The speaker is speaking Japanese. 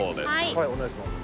はいお願いします